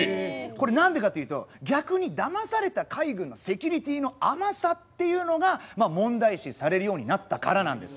これ何でかというと逆にだまされた海軍のセキュリティーの甘さっていうのが問題視されるようになったからなんです。